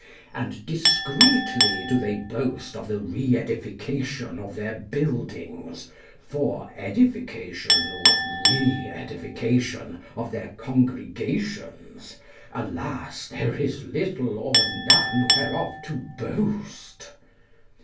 And discreetly do they boast of the re edification of their buildings, for edification or re edification of their congregations, alas, there is little or none whereof to boast.